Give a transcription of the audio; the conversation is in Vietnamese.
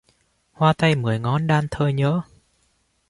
Hoa tay mười ngón đan thơ nhớ